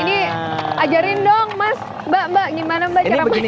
ini ajarin dong mas mbak mbak gimana mbak ceramahnya